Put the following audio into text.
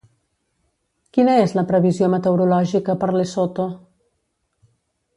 Quina és la previsió meteorològica per Lesotho?